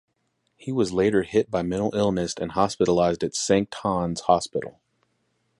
He was later hit by mental illness and hospitalized at Sankt Hans Hospital.